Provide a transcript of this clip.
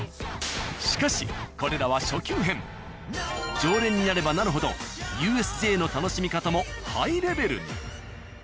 しかしこれらは常連になればなるほどＵＳＪの楽しみ方もハイレベルに。